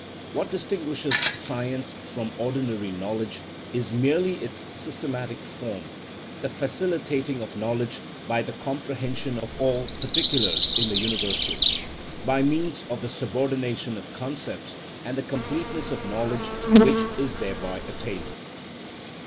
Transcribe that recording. What distinguishes science from ordinary knowledge is merely its systematic form, the facilitating of knowledge by the comprehension of all particulars in the universal, by means of the subordination of concepts, and the completeness of knowledge which is thereby attained.